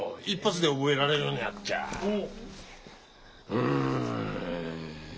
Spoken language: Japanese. うん。